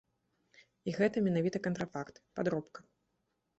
І гэта менавіта кантрафакт, падробка.